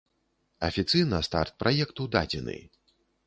Афіцыйна старт праекту дадзены.